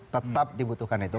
tetap dibutuhkan itu